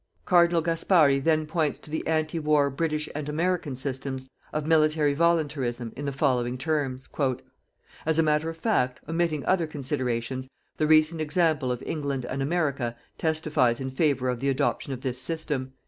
Cardinal Gasparri then points to the ante war British and American systems of military "voluntarism", in the following terms: "As a matter of fact, omitting other considerations, the recent example of England and America testifies in favour of the adoption of this system.